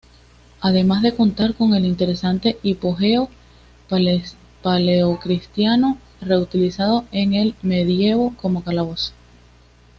Además de contar con un interesante hipogeo paleocristiano, reutilizado en el medievo como calabozo.